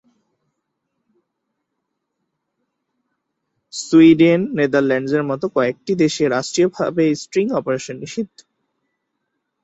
Sweden, নেদারল্যান্ডসের মতো কয়েকটি দেশে রাষ্ট্রীয়ভাবে স্টিং অপারেশন নিষিদ্ধ।